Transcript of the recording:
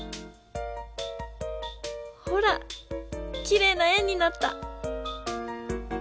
ほらきれいな円になった！